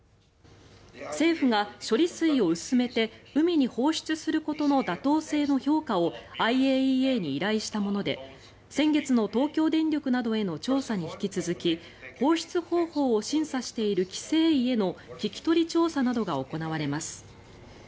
政府が処理水を薄めて海に放出することの妥当性の評価をＩＡＥＡに依頼したもので先月の東京電力などへの調査に引き続き放出方法を審査している規制委への聞き取り調査などが行われます。